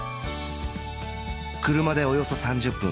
車でおよそ３０分